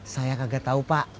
saya kagak tau pak